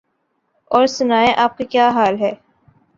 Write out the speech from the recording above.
اور سنائیں آپ کا کیا حال ہے؟